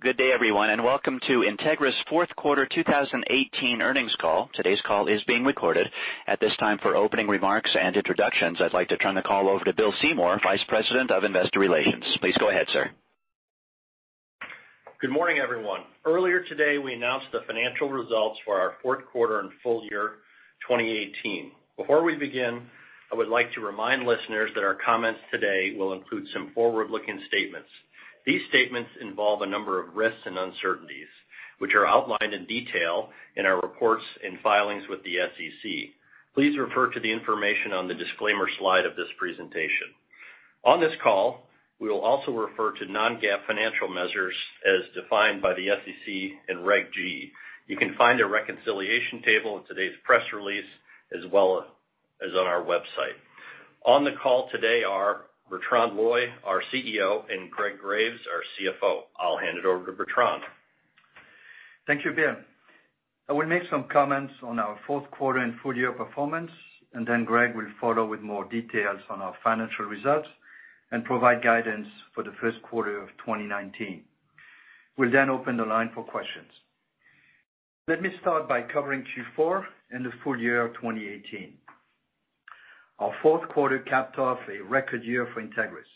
Good day, everyone, and welcome to Entegris' fourth quarter 2018 earnings call. Today's call is being recorded. At this time, for opening remarks and introductions, I'd like to turn the call over to Bill Seymour, Vice President of Investor Relations. Please go ahead, sir. Good morning, everyone. Earlier today, we announced the financial results for our fourth quarter and full year 2018. Before we begin, I would like to remind listeners that our comments today will include some forward-looking statements. These statements involve a number of risks and uncertainties, which are outlined in detail in our reports and filings with the SEC. Please refer to the information on the disclaimer slide of this presentation. On this call, we will also refer to non-GAAP financial measures as defined by the SEC and Reg G. You can find a reconciliation table in today's press release, as well as on our website. On the call today are Bertrand Loy, our CEO, and Greg Graves, our CFO. I'll hand it over to Bertrand. Thank you, Bill. I will make some comments on our fourth quarter and full-year performance, and Greg will follow with more details on our financial results and provide guidance for the first quarter of 2019. We'll open the line for questions. Let me start by covering Q4 and the full year of 2018. Our fourth quarter capped off a record year for Entegris.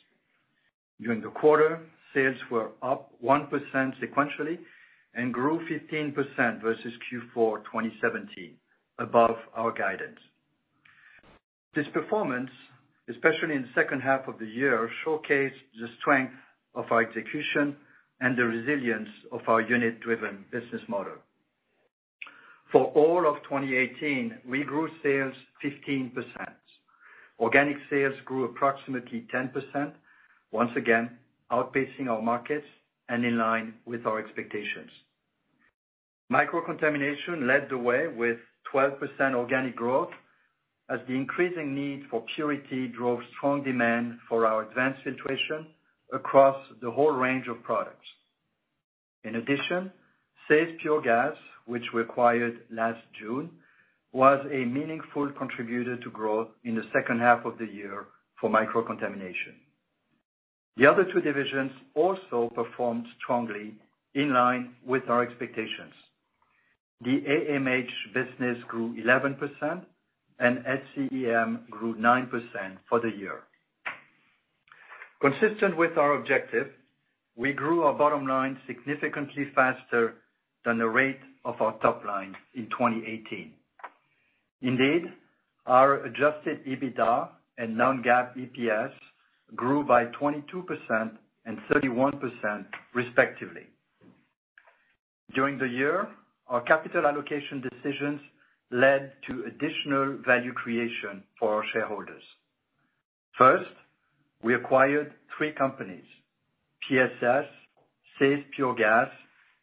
During the quarter, sales were up 1% sequentially and grew 15% versus Q4 2017, above our guidance. This performance, especially in the second half of the year, showcased the strength of our execution and the resilience of our unit-driven business model. For all of 2018, we grew sales 15%. Organic sales grew approximately 10%, once again, outpacing our markets and in line with our expectations. Microcontamination led the way with 12% organic growth as the increasing need for purity drove strong demand for our advanced filtration across the whole range of products. In addition, SAES Pure Gas, which we acquired last June, was a meaningful contributor to growth in the second half of the year for Microcontamination. The other two divisions also performed strongly in line with our expectations. The AMH business grew 11%, and SCEM grew 9% for the year. Consistent with our objective, we grew our bottom line significantly faster than the rate of our top line in 2018. Indeed, our adjusted EBITDA and non-GAAP EPS grew by 22% and 31% respectively. During the year, our capital allocation decisions led to additional value creation for our shareholders. First, we acquired three companies, PSS, SAES Pure Gas,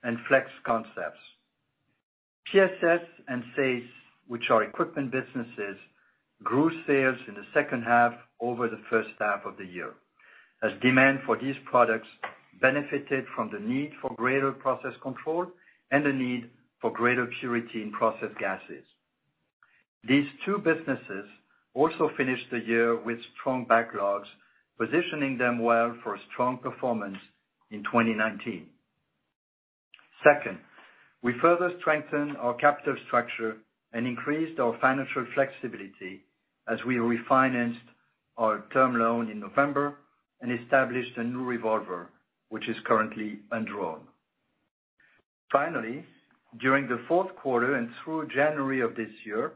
and Flex Concepts. PSS and SAES, which are equipment businesses, grew sales in the second half over the first half of the year as demand for these products benefited from the need for greater process control and the need for greater purity in process gases. These two businesses also finished the year with strong backlogs, positioning them well for a strong performance in 2019. Second, we further strengthened our capital structure and increased our financial flexibility as we refinanced our term loan in November and established a new revolver, which is currently undrawn. Finally, during the fourth quarter and through January of this year,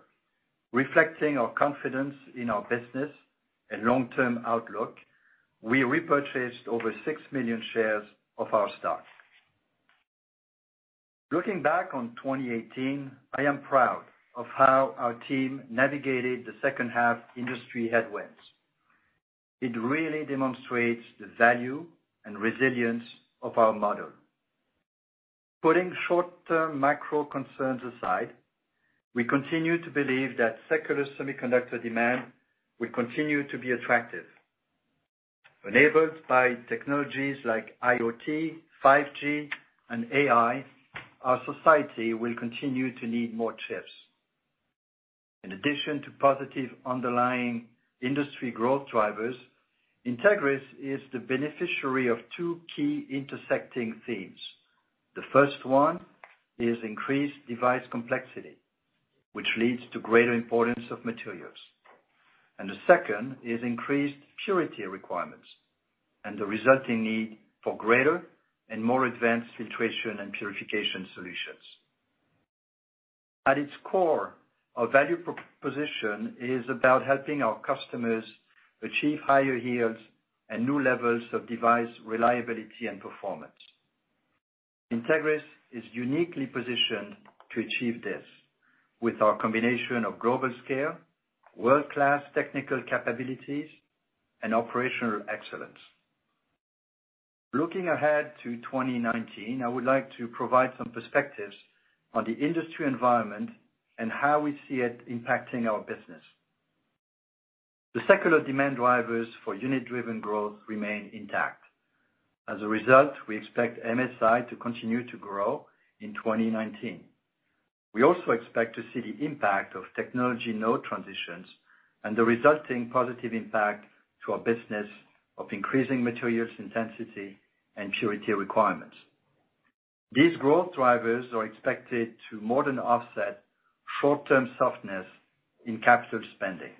reflecting our confidence in our business and long-term outlook, we repurchased over 6 million shares of our stock. Looking back on 2018, I am proud of how our team navigated the second half industry headwinds. It really demonstrates the value and resilience of our model. Putting short-term macro concerns aside, we continue to believe that secular semiconductor demand will continue to be attractive. Enabled by technologies like IoT, 5G, and AI, our society will continue to need more chips. In addition to positive underlying industry growth drivers, Entegris is the beneficiary of two key intersecting themes. The first one is increased device complexity, which leads to greater importance of materials. The second is increased purity requirements and the resulting need for greater and more advanced filtration and purification solutions. At its core, our value proposition is about helping our customers achieve higher yields and new levels of device reliability and performance. Entegris is uniquely positioned to achieve this with our combination of global scale, world-class technical capabilities, and operational excellence. Looking ahead to 2019, I would like to provide some perspectives on the industry environment and how we see it impacting our business. The secular demand drivers for unit-driven growth remain intact. As a result, we expect MSI to continue to grow in 2019. We also expect to see the impact of technology node transitions and the resulting positive impact to our business of increasing materials intensity and purity requirements. These growth drivers are expected to more than offset short-term softness in capital spending.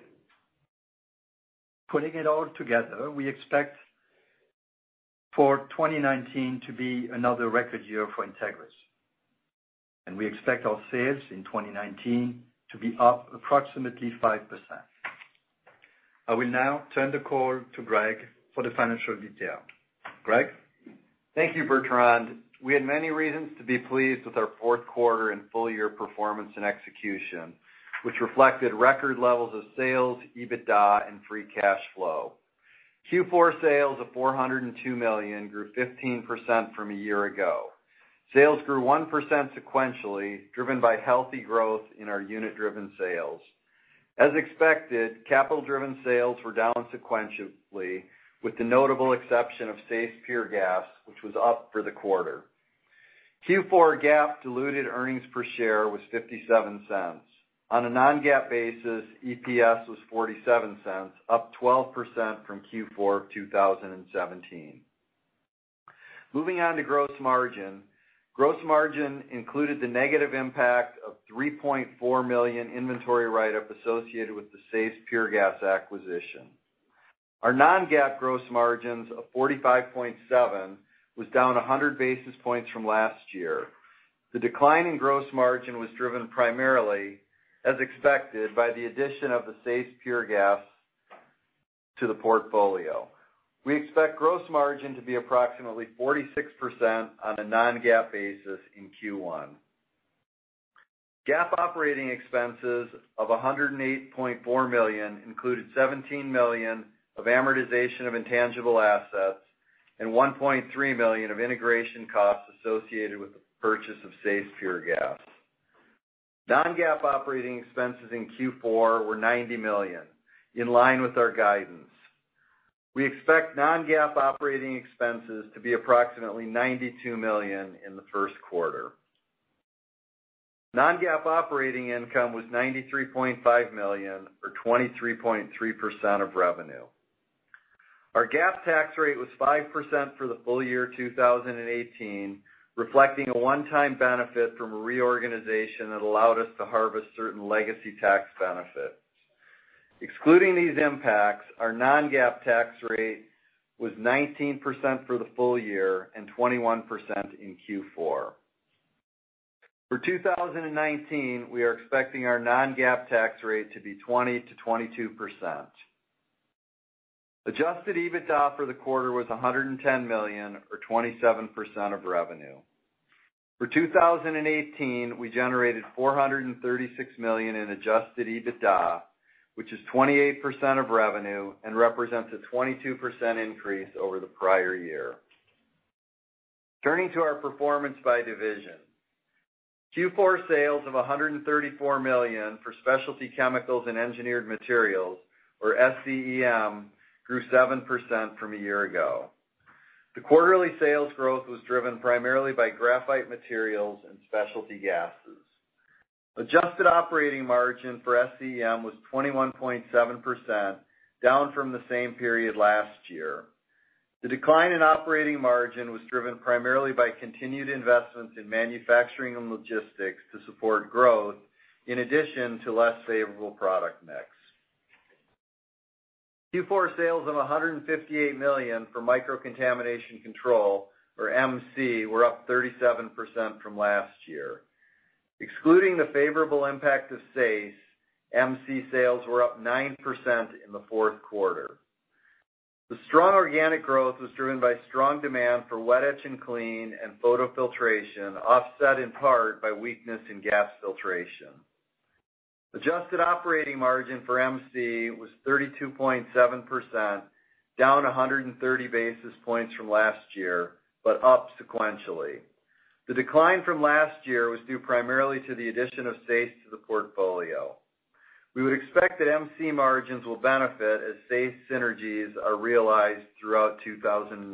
Putting it all together, we expect for 2019 to be another record year for Entegris, and we expect our sales in 2019 to be up approximately 5%. I will now turn the call to Greg for the financial detail. Greg? Thank you, Bertrand. We had many reasons to be pleased with our fourth quarter and full-year performance and execution, which reflected record levels of sales, EBITDA, and free cash flow. Q4 sales of $402 million grew 15% from a year ago. Sales grew 1% sequentially, driven by healthy growth in our unit-driven sales. As expected, capital-driven sales were down sequentially, with the notable exception of SAES Pure Gas, which was up for the quarter. Q4 GAAP diluted earnings per share was $0.57. On a non-GAAP basis, EPS was $0.47, up 12% from Q4 2017. Moving on to gross margin. Gross margin included the negative impact of $3.4 million inventory write-up associated with the SAES Pure Gas acquisition. Our non-GAAP gross margins of 45.7% was down 100 basis points from last year. The decline in gross margin was driven primarily, as expected, by the addition of the SAES Pure Gas to the portfolio. We expect gross margin to be approximately 46% on a non-GAAP basis in Q1. GAAP operating expenses of $108.4 million included $17 million of amortization of intangible assets and $1.3 million of integration costs associated with the purchase of SAES Pure Gas. Non-GAAP operating expenses in Q4 were $90 million, in line with our guidance. We expect non-GAAP operating expenses to be approximately $92 million in the first quarter. Non-GAAP operating income was $93.5 million or 23.3% of revenue. Our GAAP tax rate was 5% for the full year 2018, reflecting a one-time benefit from a reorganization that allowed us to harvest certain legacy tax benefits. Excluding these impacts, our non-GAAP tax rate was 19% for the full year and 21% in Q4. For 2019, we are expecting our non-GAAP tax rate to be 20%-22%. Adjusted EBITDA for the quarter was $110 million or 27% of revenue. For 2018, we generated $436 million in adjusted EBITDA, which is 28% of revenue and represents a 22% increase over the prior year. Turning to our performance by division. Q4 sales of $134 million for Specialty Chemicals and Engineered Materials, or SCEM, grew 7% from a year ago. The quarterly sales growth was driven primarily by graphite materials and specialty gases. Adjusted operating margin for SCEM was 21.7%, down from the same period last year. The decline in operating margin was driven primarily by continued investments in manufacturing and logistics to support growth, in addition to less favorable product mix. Q4 sales of $158 million for Microcontamination Control, or MC, were up 37% from last year. Excluding the favorable impact of SAES, MC sales were up 9% in the fourth quarter. The strong organic growth was driven by strong demand for wet etch and clean and photo filtration, offset in part by weakness in gas filtration. Adjusted operating margin for MC was 32.7%, down 130 basis points from last year, but up sequentially. The decline from last year was due primarily to the addition of SAES to the portfolio. We would expect that MC margins will benefit as SAES synergies are realized throughout 2019.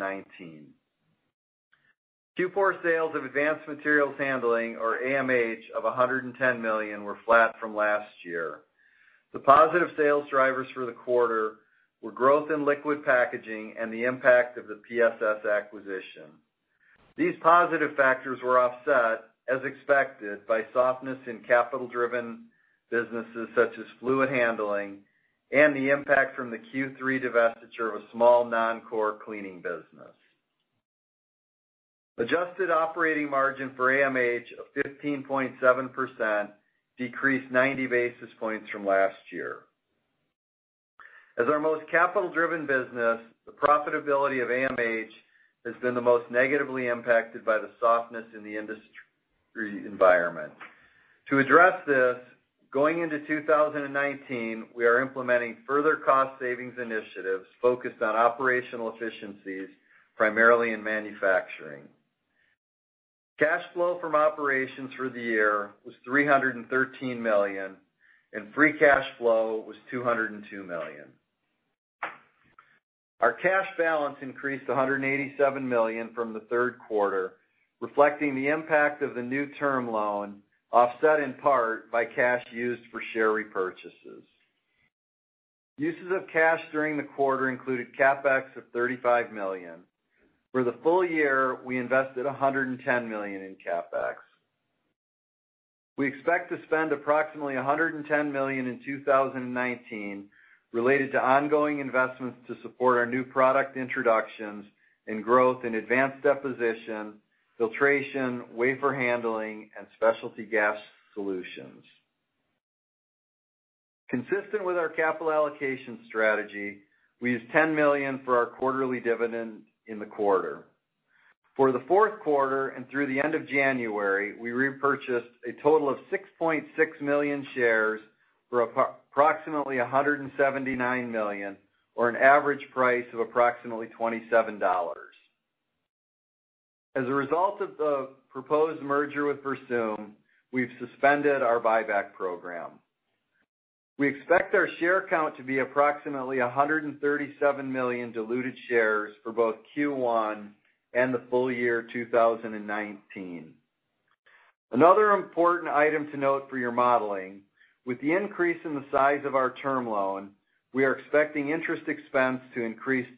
Q4 sales of Advanced Materials Handling, or AMH, of $110 million were flat from last year. The positive sales drivers for the quarter were growth in liquid packaging and the impact of the PSS acquisition. These positive factors were offset, as expected, by softness in capital-driven businesses such as fluid handling and the impact from the Q3 divestiture of a small non-core cleaning business. Adjusted operating margin for AMH of 15.7% decreased 90 basis points from last year. As our most capital-driven business, the profitability of AMH has been the most negatively impacted by the softness in the industry environment. To address this, going into 2019, we are implementing further cost savings initiatives focused on operational efficiencies, primarily in manufacturing. Cash flow from operations for the year was $313 million, and free cash flow was $202 million. Our cash balance increased to $187 million from the third quarter, reflecting the impact of the new term loan, offset in part by cash used for share repurchases. Uses of cash during the quarter included CapEx of $35 million. For the full year, we invested $110 million in CapEx. We expect to spend approximately $110 million in 2019 related to ongoing investments to support our new product introductions and growth in advanced deposition, filtration, wafer handling, and specialty gas solutions. Consistent with our capital allocation strategy, we used $10 million for our quarterly dividend in the quarter. For the fourth quarter and through the end of January, we repurchased a total of 6.6 million shares for approximately $179 million or an average price of approximately $27. As a result of the proposed merger with Versum, we've suspended our buyback program. We expect our share count to be approximately 137 million diluted shares for both Q1 and the full year 2019. Another important item to note for your modeling, with the increase in the size of our term loan, we are expecting interest expense to increase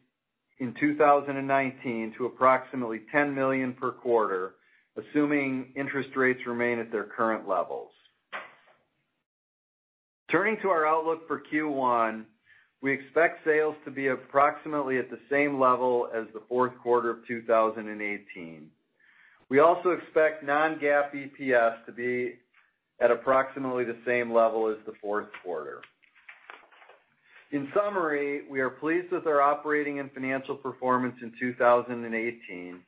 in 2019 to approximately $10 million per quarter, assuming interest rates remain at their current levels. Turning to our outlook for Q1, we expect sales to be approximately at the same level as the fourth quarter of 2018. We also expect non-GAAP EPS to be at approximately the same level as the fourth quarter. In summary, we are pleased with our operating and financial performance in 2018.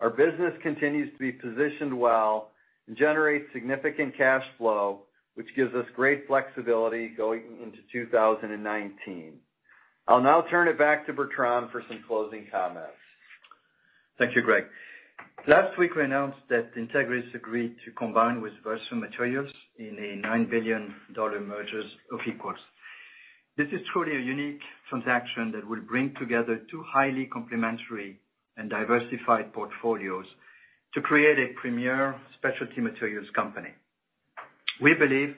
Our business continues to be positioned well and generates significant cash flow, which gives us great flexibility going into 2019. I'll now turn it back to Bertrand for some closing comments. Thank you, Greg. Last week, we announced that Entegris agreed to combine with Versum Materials in a $9 billion merger of equals. This is truly a unique transaction that will bring together two highly complementary and diversified portfolios to create a premier specialty materials company. We believe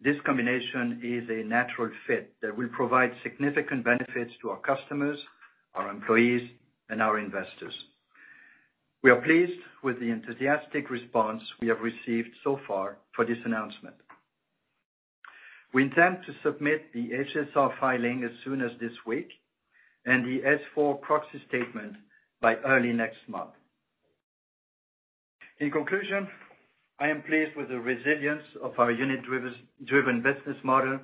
this combination is a natural fit that will provide significant benefits to our customers, our employees, and our investors. We are pleased with the enthusiastic response we have received so far for this announcement. We intend to submit the HSR filing as soon as this week and the S-4 proxy statement by early next month. In conclusion, I am pleased with the resilience of our unit-driven business model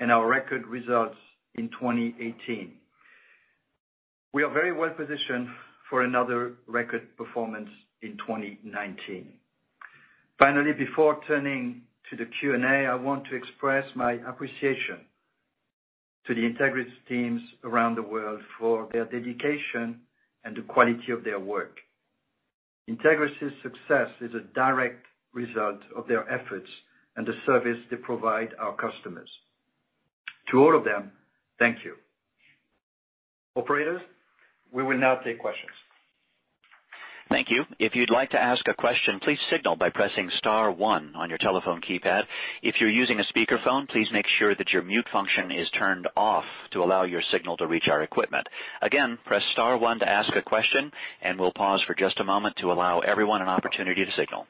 and our record results in 2018. We are very well positioned for another record performance in 2019. Finally, before turning to the Q&A, I want to express my appreciation to the Entegris teams around the world for their dedication and the quality of their work. Entegris' success is a direct result of their efforts and the service they provide our customers. To all of them, thank you. Operator, we will now take questions. Thank you. If you'd like to ask a question, please signal by pressing *1 on your telephone keypad. If you're using a speakerphone, please make sure that your mute function is turned off to allow your signal to reach our equipment. Again, press *1 to ask a question, we'll pause for just a moment to allow everyone an opportunity to signal.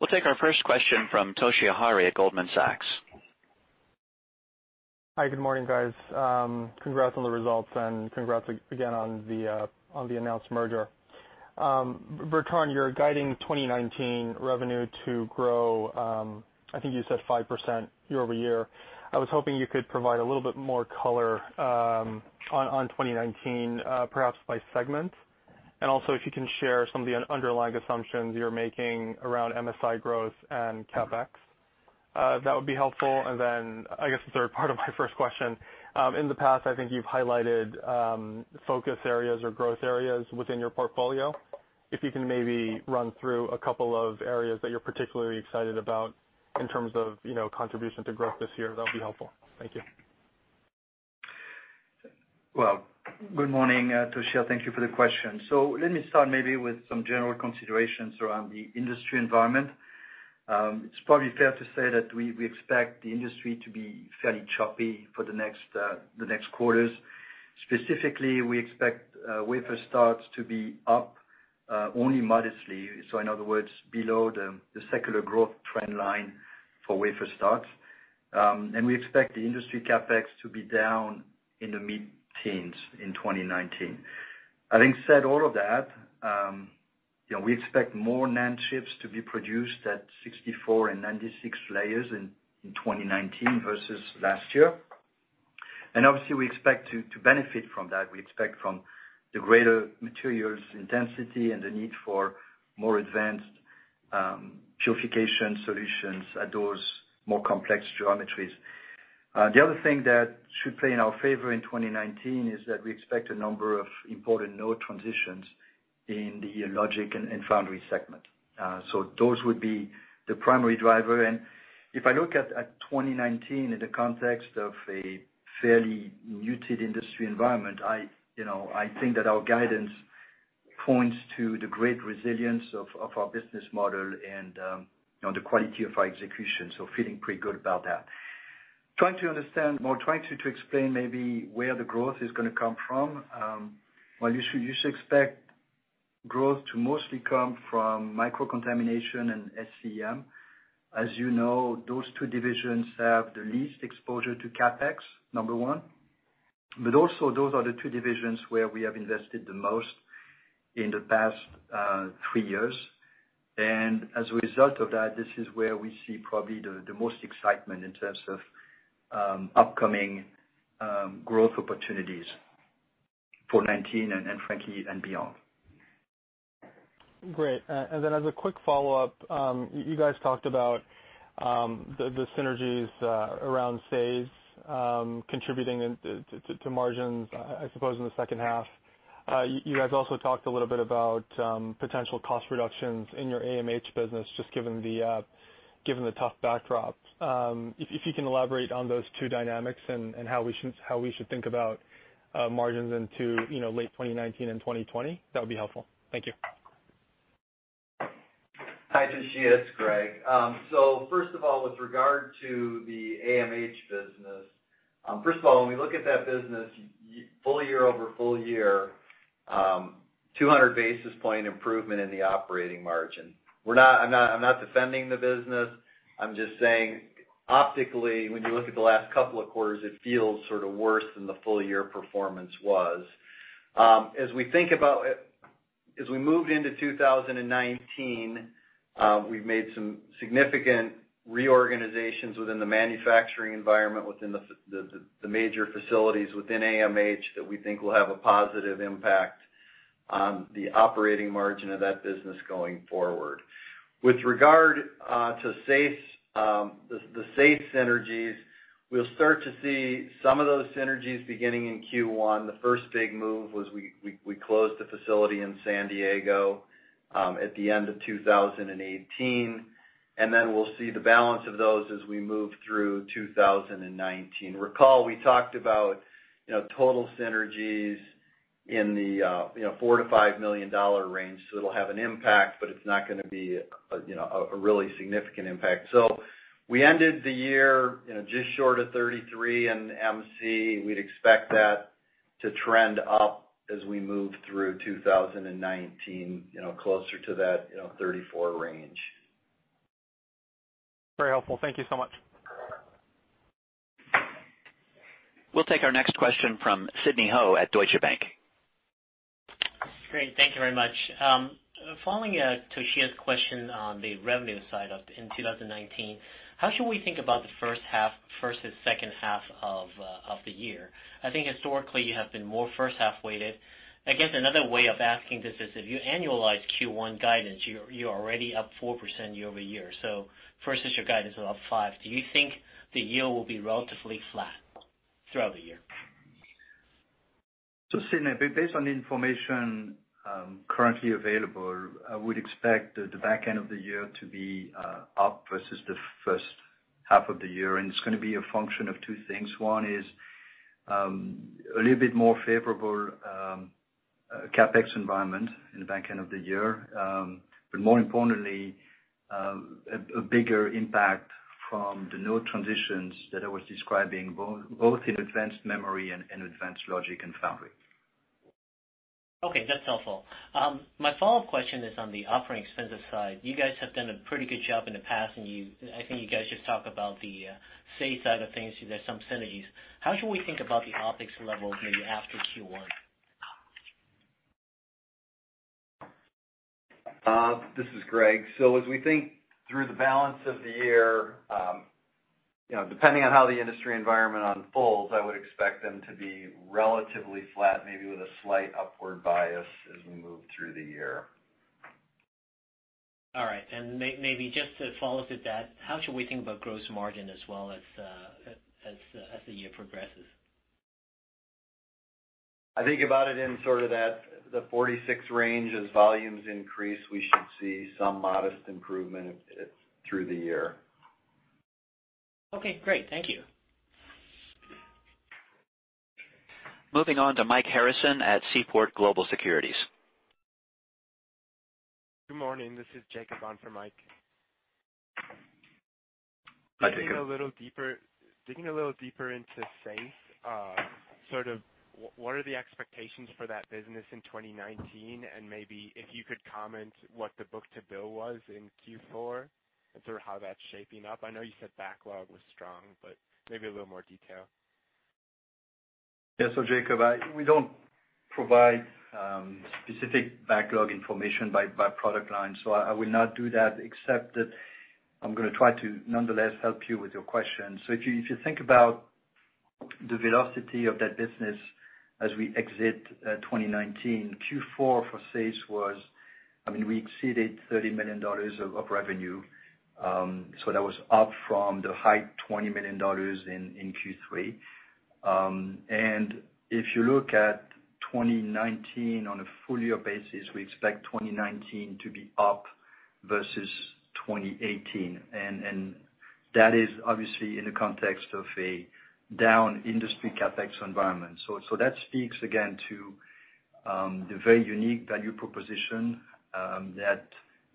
We'll take our first question from Toshiya Hari at Goldman Sachs. Hi, good morning, guys. Congrats on the results and congrats again on the announced merger. Bertrand, you're guiding 2019 revenue to grow, I think you said 5% year-over-year. I was hoping you could provide a little bit more color on 2019 perhaps by segment. Also, if you can share some of the underlying assumptions you're making around MSI growth and CapEx. That would be helpful. Then I guess the third part of my first question, in the past, I think you've highlighted focus areas or growth areas within your portfolio. If you can maybe run through a couple of areas that you're particularly excited about in terms of contribution to growth this year, that'll be helpful. Thank you. Well, good morning, Toshiya. Thank you for the question. Let me start maybe with some general considerations around the industry environment. It's probably fair to say that we expect the industry to be fairly choppy for the next quarters. Specifically, we expect wafer starts to be up only modestly. In other words, below the secular growth trend line for wafer starts. We expect the industry CapEx to be down in the mid-teens in 2019. Having said all of that, we expect more NAND chips to be produced at 64 and 96 layers in 2019 versus last year. Obviously, we expect to benefit from that. We expect from the greater materials intensity and the need for more advanced purification solutions at those more complex geometries. The other thing that should play in our favor in 2019 is that we expect a number of important node transitions in the logic and foundry segment. Those would be the primary driver. If I look at 2019 in the context of a fairly muted industry environment, I think that our guidance points to the great resilience of our business model and the quality of our execution. Feeling pretty good about that. Trying to explain maybe where the growth is going to come from. Well, you should expect growth to mostly come from Microcontamination and SCEM. As you know, those two divisions have the least exposure to CapEx, number one. Also, those are the two divisions where we have invested the most in the past three years. As a result of that, this is where we see probably the most excitement in terms of upcoming growth opportunities for 2019 and frankly, and beyond. Great. Then as a quick follow-up, you guys talked about the synergies around SAES contributing to margins, I suppose, in the second half. You guys also talked a little bit about potential cost reductions in your AMH business, just given the tough backdrop. If you can elaborate on those two dynamics and how we should think about margins into late 2019 and 2020, that would be helpful. Thank you. Hi, Toshiya, it's Greg. First of all, with regard to the AMH business. First of all, when we look at that business, full year over full year, 200 basis points improvement in the operating margin. I'm not defending the business. I'm just saying, optically, when you look at the last couple of quarters, it feels sort of worse than the full-year performance was. As we moved into 2019, we've made some significant reorganizations within the manufacturing environment, within the major facilities within AMH, that we think will have a positive impact on the operating margin of that business going forward. With regard to the SAES synergies, we'll start to see some of those synergies beginning in Q1. Then we'll see the balance of those as we move through 2019. Recall, we talked about total synergies in the $4 million-$5 million range. It'll have an impact, but it's not going to be a really significant impact. We ended the year just short of 33% in MC. We'd expect that to trend up as we move through 2019, closer to that 34% range. Very helpful. Thank you so much. We'll take our next question from Sidney Ho at Deutsche Bank. Great. Thank you very much. Following Toshiya's question on the revenue side in 2019, how should we think about the first half versus second half of the year? I think historically you have been more first half weighted. I guess another way of asking this is if you annualize Q1 guidance, you're already up 4% year-over-year. Versus your guidance of 5%, do you think the yield will be relatively flat throughout the year? Sidney, based on the information currently available, I would expect the back end of the year to be up versus the first half of the year, and it's going to be a function of two things. One is a little bit more favorable CapEx environment in the back end of the year. More importantly, a bigger impact from the node transitions that I was describing, both in advanced memory and advanced logic and foundry. That's helpful. My follow-up question is on the operating expenses side. You guys have done a pretty good job in the past. I think you guys just talked about the SAES side of things. There's some synergies. How should we think about the OpEx level maybe after Q1? This is Greg. As we think through the balance of the year, depending on how the industry environment unfolds, I would expect them to be relatively flat, maybe with a slight upward bias as we move through the year. All right. Maybe just to follow with that, how should we think about gross margin as well as the year progresses? I think about it in sort of the 46 range. As volumes increase, we should see some modest improvement through the year. Okay, great. Thank you. Moving on to Mike Harrison at Seaport Global Securities. Good morning. This is Jacob on for Mike. Hi, Jacob. Digging a little deeper into SAES, sort of what are the expectations for that business in 2019? Maybe if you could comment what the book to bill was in Q4 and sort of how that's shaping up. I know you said backlog was strong, maybe a little more detail. Yeah. Jacob, we don't provide specific backlog information by product line, I will not do that, except that I'm going to try to nonetheless help you with your question. If you think about the velocity of that business as we exit 2019. Q4 for SAES was, we exceeded $30 million of revenue. That was up from the high $20 million in Q3. If you look at 2019 on a full year basis, we expect 2019 to be up versus 2018. That is obviously in the context of a down industry CapEx environment. That speaks again to the very unique value proposition that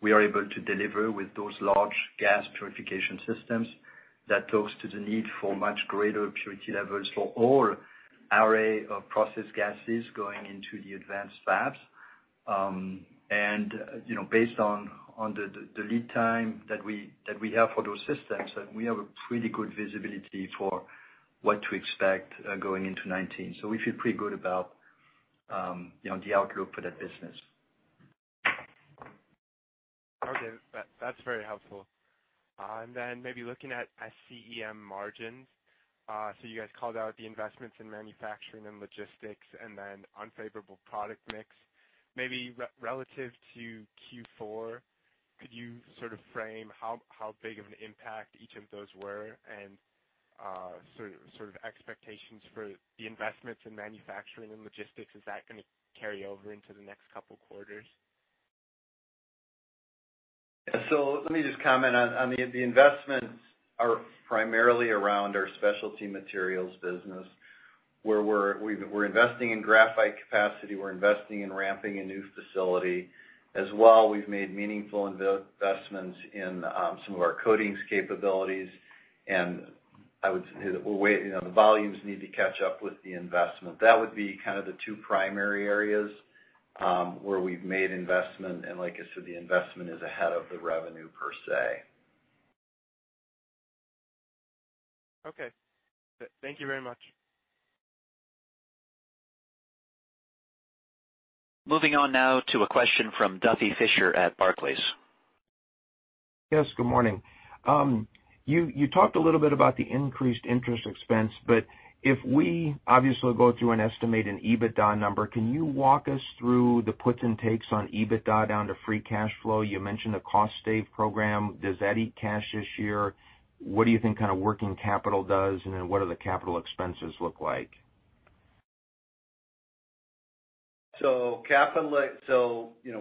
we are able to deliver with those large gas purification systems. That goes to the need for much greater purity levels for all array of process gases going into the advanced fabs. Based on the lead time that we have for those systems, we have a pretty good visibility for what to expect going into 2019. We feel pretty good about the outlook for that business. Okay. That's very helpful. Maybe looking at SCEM margins. You guys called out the investments in manufacturing and logistics and then unfavorable product mix. Maybe relative to Q4, could you frame how big of an impact each of those were and sort of expectations for the investments in manufacturing and logistics? Is that going to carry over into the next couple quarters? Let me just comment on the investments are primarily around our Specialty Materials business, where we're investing in graphite capacity, we're investing in ramping a new facility. As well, we've made meaningful investments in some of our coatings capabilities. I would say that the volumes need to catch up with the investment. That would be kind of the two primary areas where we've made investment. Like I said, the investment is ahead of the revenue per se. Okay. Thank you very much. Moving on now to a question from Duffy Fischer at Barclays. Yes, good morning. If we obviously go through and estimate an EBITDA number, can you walk us through the puts and takes on EBITDA down to free cash flow? You mentioned the cost save program. Does that eat cash this year? What do you think working capital does, and then what do the capital expenses look like?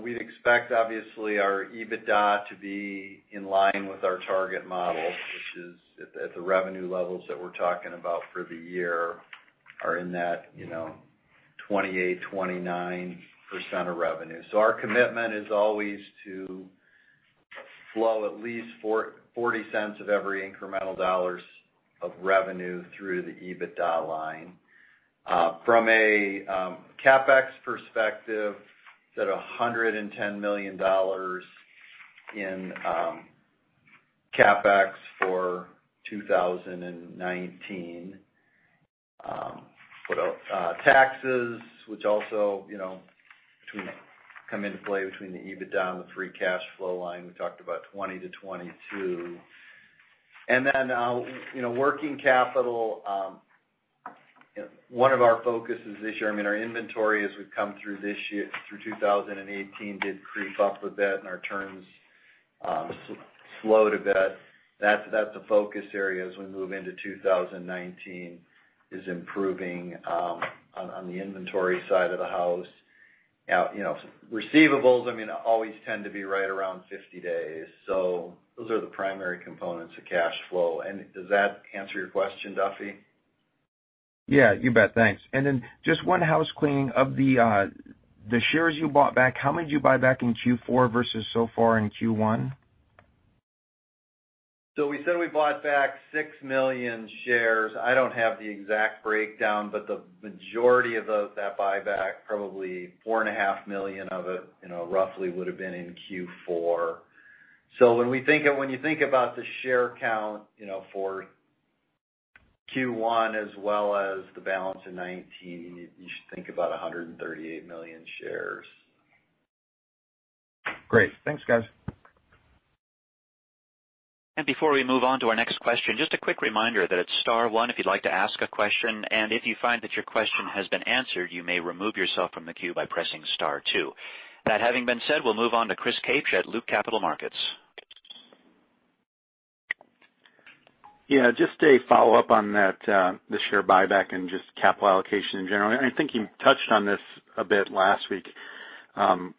We expect obviously our EBITDA to be in line with our target model, which is at the revenue levels that we're talking about for the year are in that 28%-29% of revenue. Our commitment is always to flow at least $0.40 of every incremental dollars of revenue through the EBITDA line. From a CapEx perspective, set $110 million in CapEx for 2019. Put out taxes, which also come into play between the EBITDA and the free cash flow line. We talked about 20%-22%. Working capital. One of our focuses this year, our inventory as we've come through this year through 2018 did creep up a bit and our turns slowed a bit. That's a focus area as we move into 2019 is improving on the inventory side of the house. Receivables always tend to be right around 50 days. Those are the primary components of cash flow. Does that answer your question, Duffy? Yeah, you bet. Thanks. Just one house cleaning. Of the shares you bought back, how many did you buy back in Q4 versus so far in Q1? We said we bought back 6 million shares. I don't have the exact breakdown, but the majority of that buyback, probably 4.5 million of it roughly would've been in Q4. When you think about the share count for Q1 as well as the balance in 2019, you should think about 138 million shares. Great. Thanks, guys. Before we move on to our next question, just a quick reminder that it's star one if you'd like to ask a question. If you find that your question has been answered, you may remove yourself from the queue by pressing star two. That having been said, we'll move on to Chris Kapsch at Loop Capital Markets. Just a follow-up on that the share buyback and just capital allocation in general. I think you touched on this a bit last week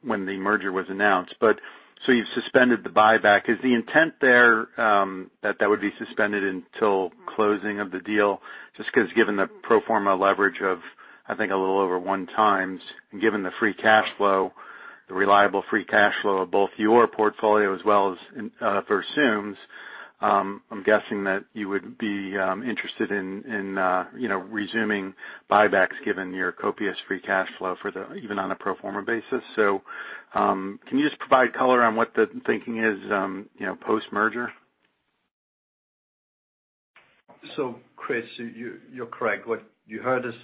when the merger was announced. You've suspended the buyback. Is the intent there that that would be suspended until closing of the deal? Just because given the pro forma leverage of, I think a little over 1x, and given the free cash flow, the reliable free cash flow of both your portfolio as well as for Versum's, I'm guessing that you would be interested in resuming buybacks given your copious free cash flow even on a pro forma basis. Can you just provide color on what the thinking is post-merger? Chris, you're correct. What you heard us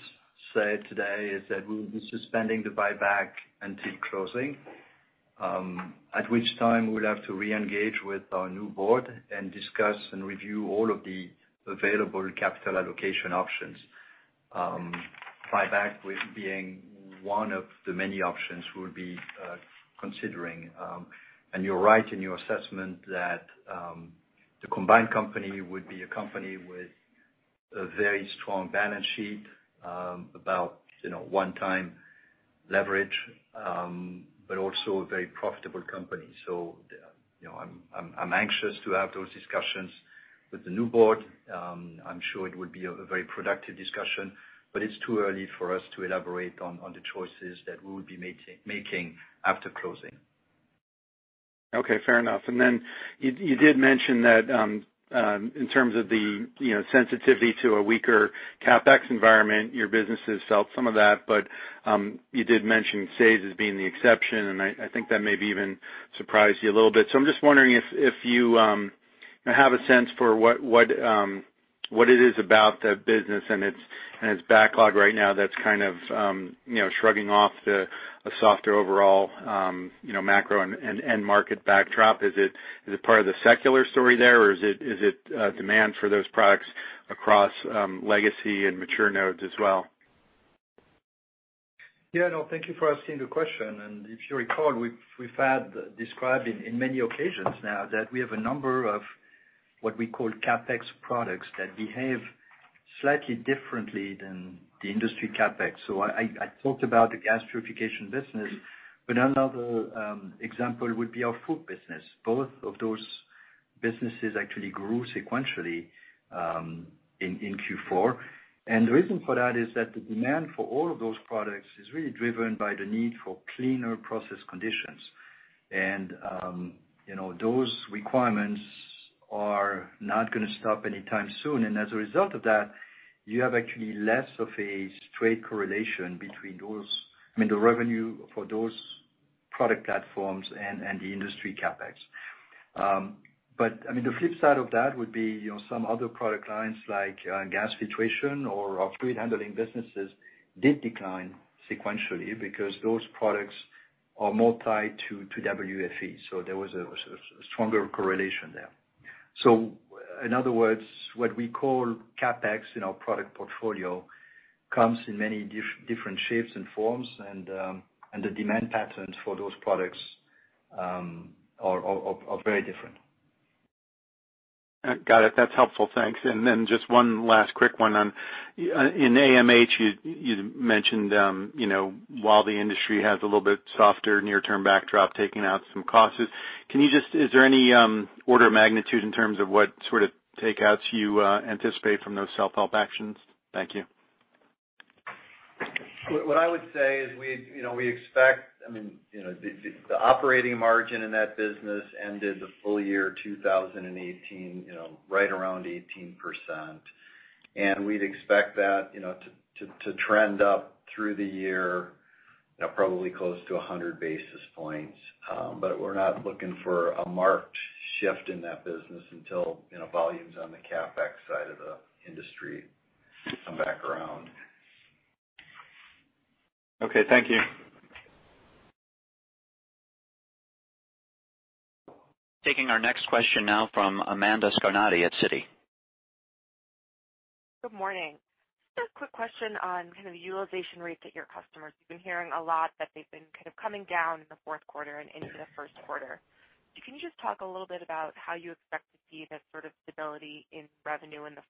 say today is that we'll be suspending the buyback until closing. At which time, we'll have to re-engage with our new board and discuss and review all of the available capital allocation options. Buyback with being one of the many options we'll be considering. You're right in your assessment that the combined company would be a company with a very strong balance sheet, about 1x leverage, but also a very profitable company. I'm anxious to have those discussions with the new board. I'm sure it would be a very productive discussion, but it's too early for us to elaborate on the choices that we will be making after closing. Okay, fair enough. You did mention that, in terms of the sensitivity to a weaker CapEx environment, your business has felt some of that. You did mention SAES as being the exception, and I think that maybe even surprised you a little bit. I'm just wondering if you have a sense for what it is about the business and its backlog right now that's kind of shrugging off a softer overall macro and end market backdrop. Is it part of the secular story there, or is it demand for those products across legacy and mature nodes as well? Yeah, no, thank you for asking the question. If you recall, we've had described in many occasions now that we have a number of what we call CapEx products that behave slightly differently than the industry CapEx. I talked about the gas purification business, but another example would be our FOUP business. Both of those businesses actually grew sequentially in Q4. The reason for that is that the demand for all of those products is really driven by the need for cleaner process conditions. Those requirements are not going to stop anytime soon. As a result of that, you have actually less of a straight correlation between those, I mean, the revenue for those product platforms and the industry CapEx. The flip side of that would be some other product lines like gas filtration or fluid handling businesses did decline sequentially because those products are more tied to WFE. There was a stronger correlation there. In other words, what we call CapEx in our product portfolio comes in many different shapes and forms and the demand patterns for those products are very different. Got it. That's helpful. Thanks. Just one last quick one on, in AMH, you mentioned while the industry has a little bit softer near term backdrop, taking out some costs, is there any order of magnitude in terms of what sort of takeouts you anticipate from those self-help actions? Thank you. What I would say is the operating margin in that business ended the full year 2018 right around 18%, and we'd expect that to trend up through the year, probably close to 100 basis points. We're not looking for a marked shift in that business until volumes on the CapEx side of the industry come back around. Okay. Thank you. Taking our next question now from Amanda Scarnati at Citi. Good morning. Just a quick question on kind of the utilization rates at your customers. We've been hearing a lot that they've been kind of coming down in the fourth quarter and into the first quarter. Can you just talk a little bit about how you expect to see this sort of stability in revenue in the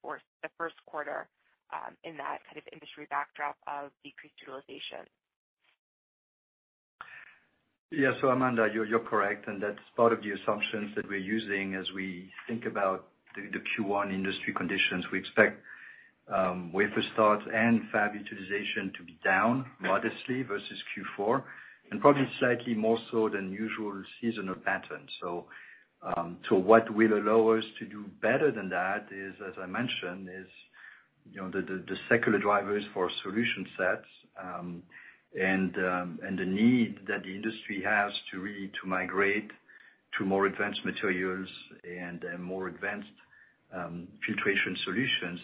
first quarter, in that kind of industry backdrop of decreased utilization? Yeah. Amanda, you're correct, and that's part of the assumptions that we're using as we think about the Q1 industry conditions. We expect wafer starts and fab utilization to be down modestly versus Q4, and probably slightly more so than usual seasonal pattern. What will allow us to do better than that is, as I mentioned, is the secular drivers for solution sets, and the need that the industry has to migrate to more advanced materials and more advanced filtration solutions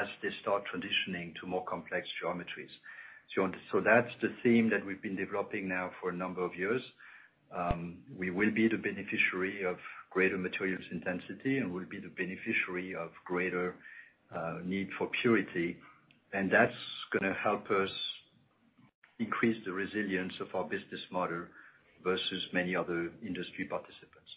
as they start transitioning to more complex geometries. That's the theme that we've been developing now for a number of years. We will be the beneficiary of greater materials intensity and we'll be the beneficiary of greater need for purity, and that's going to help us increase the resilience of our business model versus many other industry participants.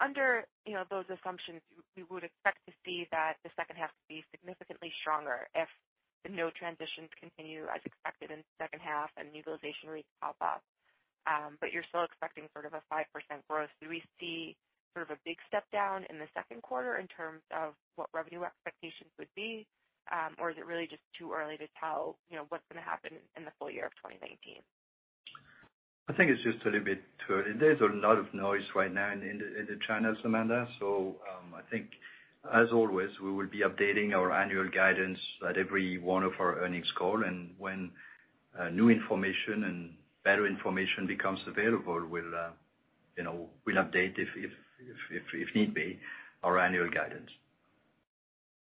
Under those assumptions, we would expect to see that the second half to be significantly stronger if the node transitions continue as expected in the second half and utilization rates pop up. You're still expecting sort of a 5% growth. Do we see sort of a big step down in the second quarter in terms of what revenue expectations would be? Or is it really just too early to tell what's going to happen in the full year of 2019? I think it's just a little bit too early. There's a lot of noise right now in the China, Amanda. I think as always, we will be updating our annual guidance at every one of our earnings call, and when new information and better information becomes available, we'll update if need be, our annual guidance.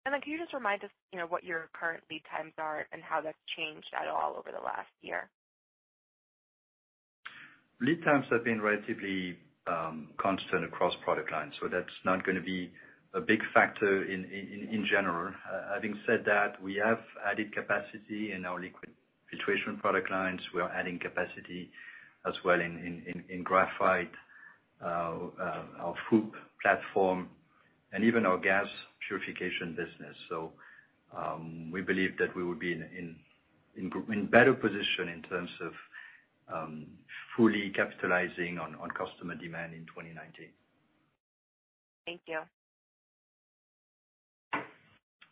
Can you just remind us what your current lead times are and how that's changed at all over the last year? Lead times have been relatively constant across product lines, that's not going to be a big factor in general. Having said that, we have added capacity in our liquid filtration product lines. We are adding capacity as well in graphite, our FOUP platform, and even our gas purification business. We believe that we will be in better position in terms of fully capitalizing on customer demand in 2019. Thank you.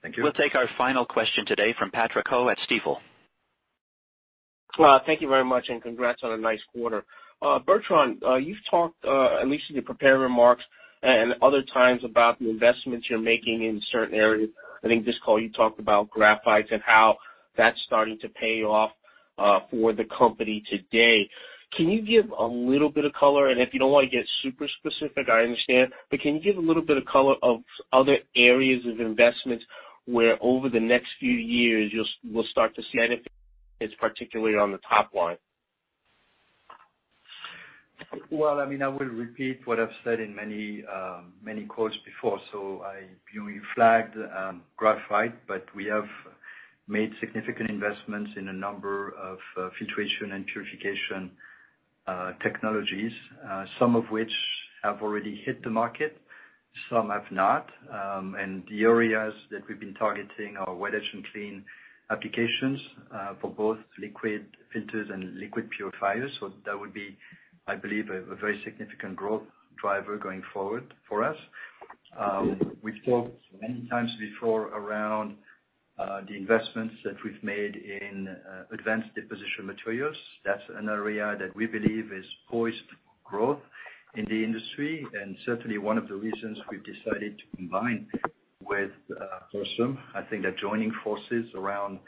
Thank you. We'll take our final question today from Patrick Ho at Stifel. Thank you very much, and congrats on a nice quarter. Bertrand, you've talked, at least in your prepared remarks and other times, about the investments you're making in certain areas. I think this call, you talked about graphite and how that's starting to pay off for the company today. Can you give a little bit of color? If you don't want to get super specific, I understand, but can you give a little bit of color of other areas of investments where over the next few years you will start to see benefits, particularly on the top line? Well, I will repeat what I've said in many calls before. I flagged graphite, but we have made significant investments in a number of filtration and purification technologies. Some of which have already hit the market, some have not. The areas that we've been targeting are wet etch and clean applications for both liquid filters and liquid purifiers. That would be, I believe, a very significant growth driver going forward for us. We've talked many times before around the investments that we've made in advanced deposition materials. That's an area that we believe is poised for growth in the industry, and certainly one of the reasons we've decided to combine with Versum. I think that joining forces around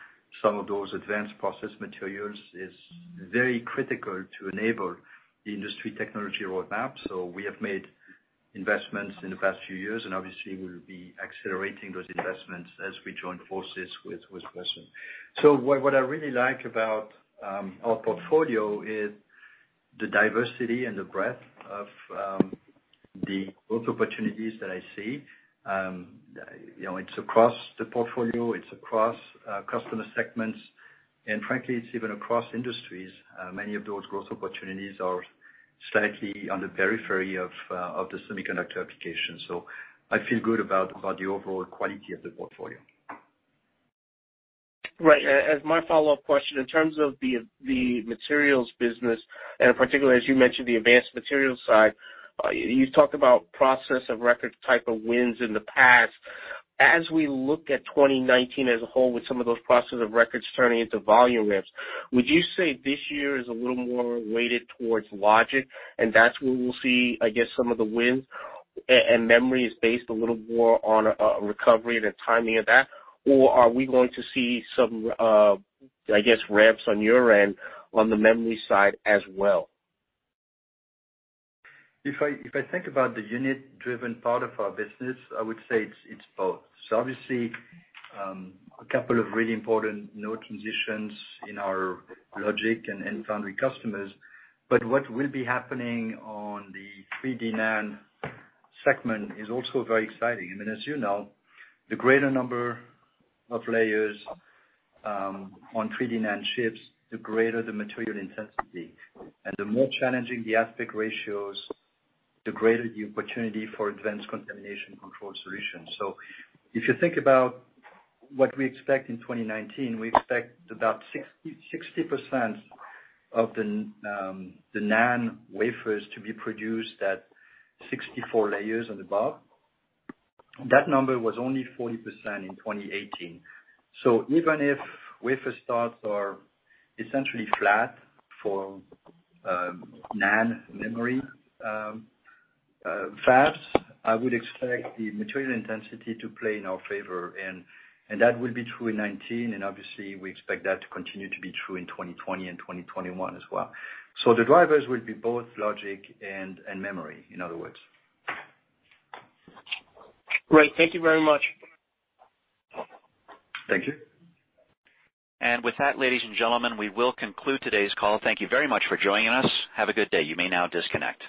some of those advanced process materials is very critical to enable the industry technology roadmap. We have made investments in the past few years, and obviously we'll be accelerating those investments as we join forces with Versum. What I really like about our portfolio is the diversity and the breadth of the growth opportunities that I see. It's across the portfolio, it's across customer segments, and frankly, it's even across industries. Many of those growth opportunities are slightly on the periphery of the semiconductor application. I feel good about the overall quality of the portfolio. Right. As my follow-up question, in terms of the materials business, and in particular, as you mentioned, the advanced materials side, you've talked about process of record type of wins in the past. As we look at 2019 as a whole, with some of those processes of records turning into volume ramps, would you say this year is a little more weighted towards logic and that's where we'll see, I guess, some of the wins? Memory is based a little more on a recovery, the timing of that, or are we going to see some, I guess, ramps on your end on the memory side as well? I think about the unit-driven part of our business, I would say it's both. Obviously, a couple of really important node transitions in our logic and foundry customers, but what will be happening on the 3D NAND segment is also very exciting. I mean, as you know, the greater number of layers on 3D NAND chips, the greater the material intensity. The more challenging the aspect ratios, the greater the opportunity for advanced contamination control solutions. If you think about what we expect in 2019, we expect about 60% of the NAND wafers to be produced at 64 layers and above. That number was only 40% in 2018. Even if wafer starts are essentially flat for NAND memory fabs, I would expect the material intensity to play in our favor, that will be true in 2019, obviously, we expect that to continue to be true in 2020 and 2021 as well. The drivers will be both logic and memory, in other words. Great. Thank you very much. Thank you. With that, ladies and gentlemen, we will conclude today's call. Thank you very much for joining us. Have a good day. You may now disconnect.